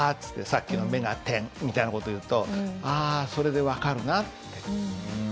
さっきの「目が点」みたいな事言うとああそれで分かるなって。